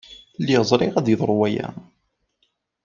Lliɣ ẓriɣ ad yeḍru waya.